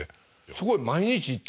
そこへ毎日行って？